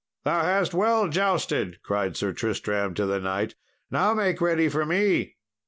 "Thou hast well jousted," cried Sir Tristram to the knight; "now make ready for me!"